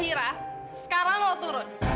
kak sekarang lo turun